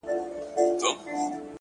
تا په لڅه سينه ټوله زړونه وړي!